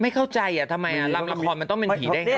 ไม่เข้าใจทำไมลำละครมันต้องเป็นผีเด้ง